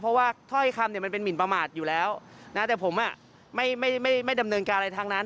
เพราะว่าถ้อยคำเนี่ยมันเป็นหมินประมาทอยู่แล้วนะแต่ผมไม่ดำเนินการอะไรทั้งนั้น